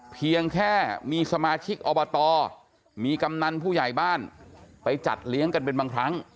เพียงแค่มีสมาชิกอบตมีกำนันผู้ใหญ่บ้านไปจัดเลี้ยงกันเป็นบางครั้ง